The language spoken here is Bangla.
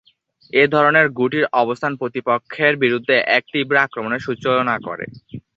এই ধরনের গুটির অবস্থান প্রতিপক্ষের বিরুদ্ধে এক তীব্র আক্রমণের সূচনা করে।